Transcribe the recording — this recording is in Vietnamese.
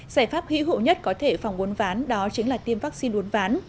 giải pháp hữu hữu nhất có thể phòng uốn ván đó chính là tim vaccine uốn ván